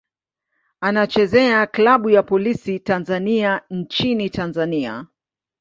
Anachezea klabu ya Polisi Tanzania nchini Tanzania.